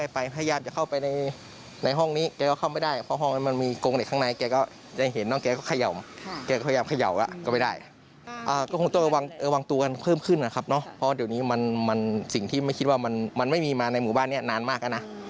เพราะเดี๋ยวนี้มันสิ่งที่ไม่คิดว่ามันไม่มีมาในหมู่บ้านนี้นานมากแล้วนะ